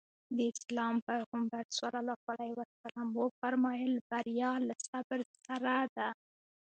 د اسلام پيغمبر ص وفرمايل بريا له صبر سره ده.